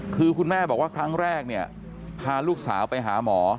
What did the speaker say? คือคุณแม่บอกว่าครั้งแรกเนี่ยพาลูกสาวไปหาหมอ